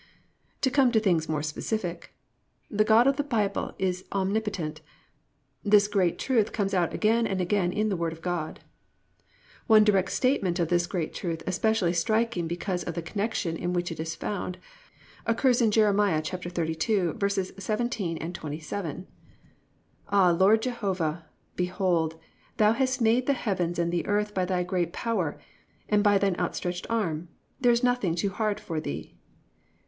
2. To come to things more specific, the God of the Bible is omnipotent. This great truth comes out again and again in the Word of God. One direct statement of this great truth especially striking because of the connection in which it is found, occurs in Jer. 32:17, 27: +"Ah Lord Jehovah! Behold, thou hast made the heavens and the earth by thy great power and by thine outstretched arm: there is nothing too hard for thee."